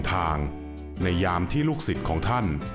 ทางในยามที่ลูกศิษย์ของท่าน